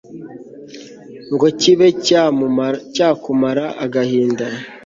ngo kibe cyakumara agahinda